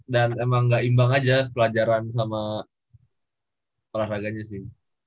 dan emang gak imbang aja pelajaran sama olahraganya sih